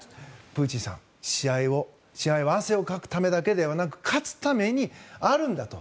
プーチンさん、試合は汗をかくためではなく勝つためにあるのだと。